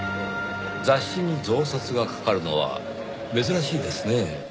雑誌に増刷がかかるのは珍しいですね。